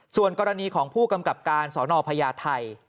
ส่วนกรณีของผู้กำกับการสนพญาไทย